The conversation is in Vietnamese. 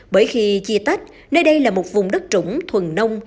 bởi khi chia tách nơi đây là một vùng đất trũng thuần nông